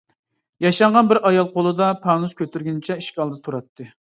ياشانغان بىر ئايال قولىدا پانۇس كۆتۈرگىنىچە ئىشىك ئالدىدا تۇراتتى.